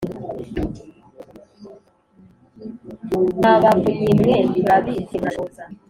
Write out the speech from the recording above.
Mwa bavunyi mwe turabizi murashoza